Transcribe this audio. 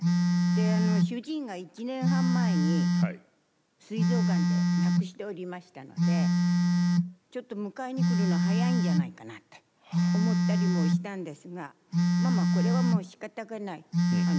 で主人が１年半前にすい臓がんで亡くしておりましたのでちょっと迎えに来るの早いんじゃないかなと思ったりもしたんですがまあまあこれはもうしかたがない。